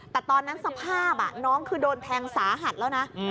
แต่ตอนนั้นสภาพน้องคือโดนแทงสาหัสแล้วนะ